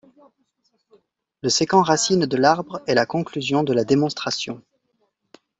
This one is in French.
Le séquent racine de l'arbre est la conclusion de la démonstration.